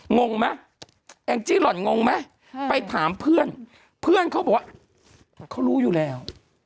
งงมั้ยแอ้งจิร่อนงงมั้ยไปถามเพื่อนเพื่อนเขาบอกว่าเขารู้อยู่แล้ว